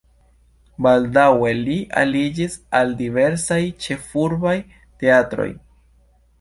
Baldaŭe li aliĝis al diversaj ĉefurbaj teatroj.